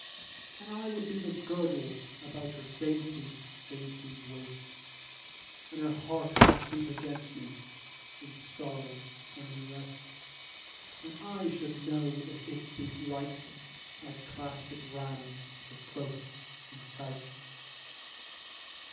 And I would be the girdle About her dainty dainty waist, And her heart would beat against me, In sorrow and in rest: 10 And I should know if it beat right, I'd clasp it round so close and tight.